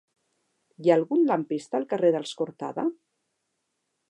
Hi ha algun lampista al carrer dels Cortada?